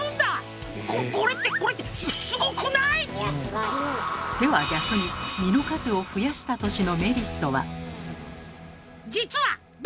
これってこれってでは逆に実の数を増やした年のメリットは？